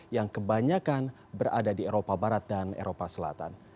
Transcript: yang kebanyakan berada di eropa barat dan eropa selatan